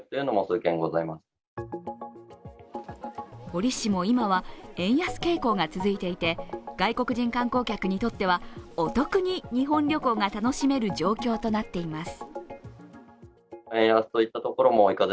折しも今は円安傾向が続いていて外国人観光客にとってはお得に日本旅行が楽しめる状況となっています。